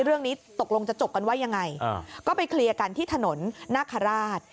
เรื่องนี้ตกลงจะจบกันว่ายังไงก็ไปเคลียร์กันที่ถนนนาคาราช